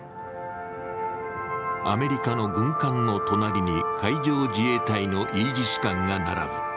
アメリカの軍艦の隣に海上自衛隊のイージス艦が並ぶ。